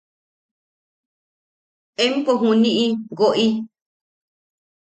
Empo juniʼi woʼi;.